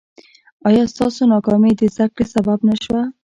ایا ستاسو ناکامي د زده کړې سبب نه شوه؟